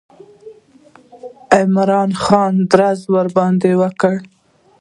عمرا خان ډز ورباندې وکړ.